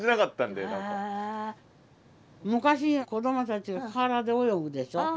昔子どもたち河原で泳ぐでしょ。